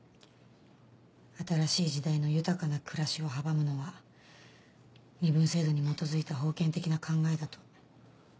新しい時代の豊かな暮らしを阻むのは身分制度に基づいた封建的な考えだと。